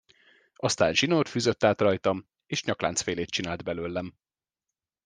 Aztán zsinórt fűzött át rajtam, és nyakláncfélét csinált belőlem.